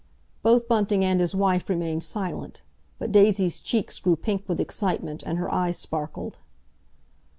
Both Bunting and his wife remained silent, but Daisy's cheeks grew pink with excitement, and her eye sparkled.